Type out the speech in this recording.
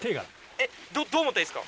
えっどう持ったらいいですか？